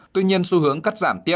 tuy nhiên xu hướng cắt giảm tiếp